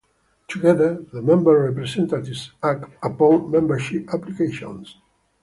Together, the Member Representatives act upon membership applications.